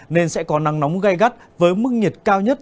nên sẽ có nắng nóng gai gắt với mức nhiệt cao nhất